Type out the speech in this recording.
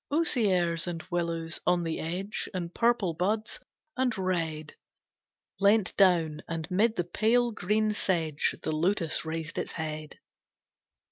Osiers and willows on the edge And purple buds and red, Leant down, and 'mid the pale green sedge The lotus raised its head.